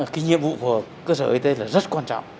cái nhiệm vụ của cơ sở y tế là rất quan trọng